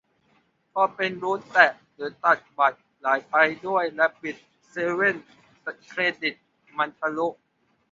พอเป็นรูด แตะ หรือตัดบัตร หลายใบด้วย แรบบิต เซเว่น เครดิต มันทะลุ